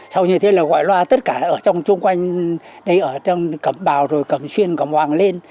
sau như thế là gọi loa tất cả ở trong chung quanh đây ở trong cẩm bào rồi cẩm xuyên cẩm hoàng lên